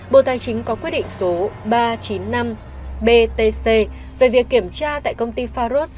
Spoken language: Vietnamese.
bộ tài chính có quyết định số ba trăm chín mươi năm btc về việc kiểm tra tại công ty faros